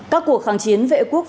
các cuộc kháng chiến vệ quốc